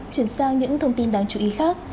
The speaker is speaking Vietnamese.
chuyển sang những thông tin đáng chú ý khác